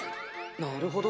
なるほど。